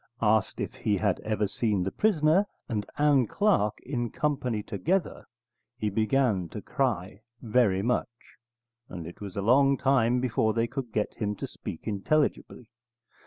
Asked if he had ever seen the prisoner and Ann Clark in company together, he began to cry very much, and it was a long time before they could get him to speak intelligibly.